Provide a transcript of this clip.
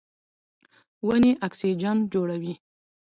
ونې اکسیجن جوړوي.